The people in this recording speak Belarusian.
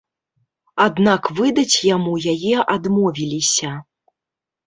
Аднак выдаць яму яе адмовіліся.